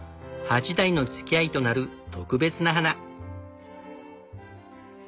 ８代のつきあいとなる特別な花。